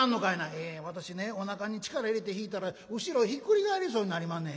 「ええ私ねおなかに力入れて弾いたら後ろひっくり返りそうになりまんねん。